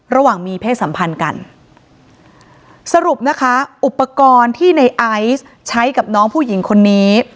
ระหว่างมีเพศสัมพันธ์กันสรุปนะคะอุปกรณ์ที่ในไอซ์ใช้กับน้องผู้หญิงคนนี้